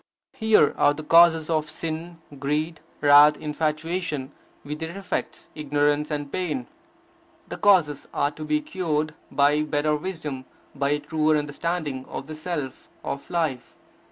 Here are the causes of sin: greed, wrath, infatuation, with their effects, ignorance and pain. The causes are to be cured by better wisdom, by a truer understanding of the Self, of Life.